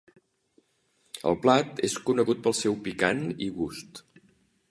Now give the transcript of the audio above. El plat és conegut pel seu picant i gust.